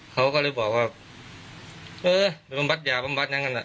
เขาก็เลยบอกว่าเออไปบำบัดยาบำบัดอย่างนั้นอ่ะ